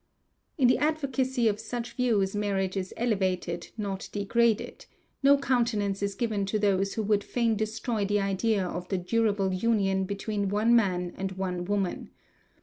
In the advocacy of such views marriage is elevated, not degraded; no countenance is given to those who would fain destroy the idea of the durable union between one man and one woman.